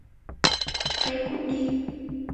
hãy cút đi